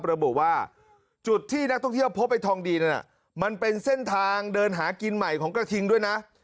ระบุว่าจุดที่นักท่องเที่ยวพบไอ้ทองดีนั้นมันเป็นเส้นทางเดินหากินใหม่ของกระทิงด้วยนะ